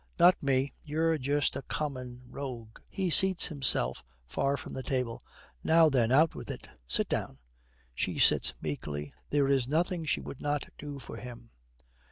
'Not me. You're just a common rogue.' He seats himself far from the table. 'Now, then, out with it. Sit down!' She sits meekly; there is nothing she would not do for him.